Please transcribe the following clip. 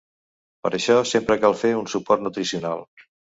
Per això sempre cal fer un suport nutricional.